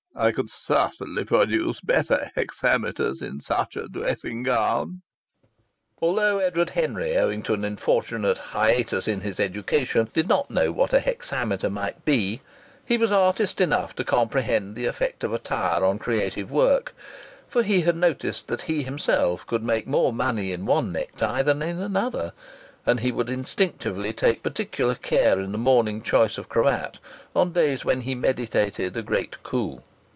I could certainly produce better hexameters in such a dressing gown." Although Edward Henry, owing to an unfortunate hiatus in his education, did not know what a hexameter might be, he was artist enough to comprehend the effect of attire on creative work, for he had noticed that he himself could make more money in one necktie than in another, and he would instinctively take particular care in the morning choice of a cravat on days when he meditated a great coup.